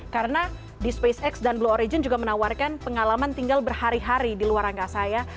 karena di spacex dan blue origin juga menawarkan pengalaman tinggal berhari hari di luar angkasa ya